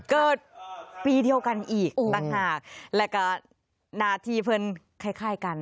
เกิดปีเดียวกันอีกต่างหากแล้วก็หน้าที่เพื่อนคล้ายกัน